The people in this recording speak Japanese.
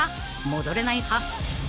戻れない派？］